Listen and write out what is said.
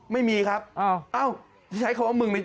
ไม่มีครับเอ้าใช้คำว่ามึง